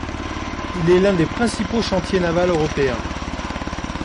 Il est l'un des principaux chantiers navals européens.